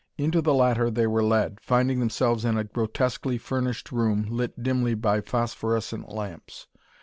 Into the latter they were led, finding themselves in a grotesquely furnished room, lit dimly by phosphorescent lamps.